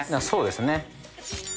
そうですね。